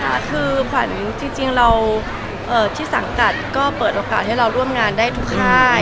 ค่ะคือขวัญจริงเราที่สังกัดก็เปิดโอกาสให้เราร่วมงานได้ทุกค่าย